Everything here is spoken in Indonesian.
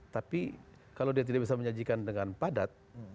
tapi kalau dia tidak bisa menyajikan dengan padat